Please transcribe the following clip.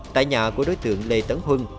tại nhà của đối tượng lê tấn huân